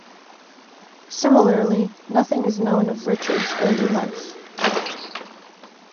Similarly nothing is known of Richard's early life.